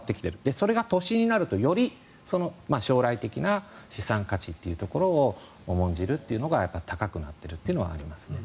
それが都心になるとより将来的な資産価値というのを重んじるというのが高くなっているというのはあります。